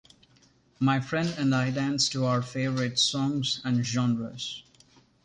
My friend and I danced to our favourite songs and genres.